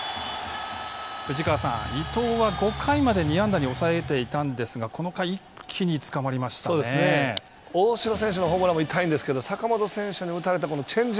藤川さん、伊藤は５回まで２安打に抑えていたんですが、この回、一大城選手のホームランも痛いんですが坂本選手に打たれた。